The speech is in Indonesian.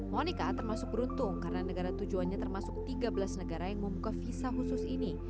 monica termasuk beruntung karena negara tujuannya termasuk tiga belas negara yang membuka visa khusus ini